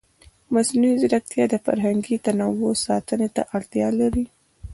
مصنوعي ځیرکتیا د فرهنګي تنوع ساتنې ته اړتیا لري.